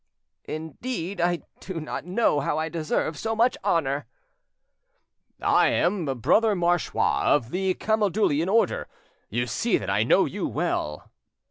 "Indeed, I do not know how I deserve so much honour." "I am, Brother Marchois, of the Camaldulian order. You see that I know you well."